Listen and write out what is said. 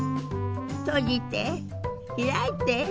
閉じて開いて。